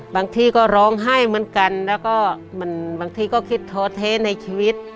บางทีก็ร้องไห้เหมือนกันแล้วก็บางทีก็คิดท้อเทในชีวิต